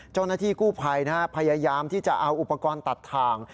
เจ้าหน้าที่กู้ภัยพยายามที่จะเอาอุปกรณ์ตัดทาง